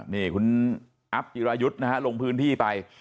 นี่คุณอัพจิรายุทธ์นะฮะลงพื้นที่ไป